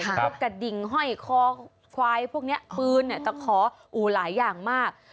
พวกกระดิ่งห้อยคอควายพวกนี้ปืนตะขอหลายอย่างมาก